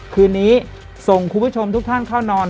คืนนี้ส่งคุณผู้ชมทุกท่านเข้านอน